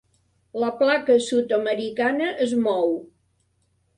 La placa sud-americana es mou.